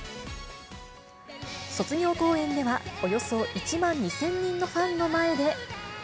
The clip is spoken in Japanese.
卒業公演では、およそ１万２０００人のファンの前で。